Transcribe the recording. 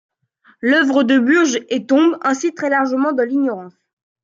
L'œuvre de Burges est tombe ainsi très largement dans l'ignorance.